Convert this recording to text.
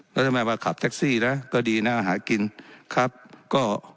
แล้วทำไมมาขับแท็กซี่นะก็ดีนะหากินครับก็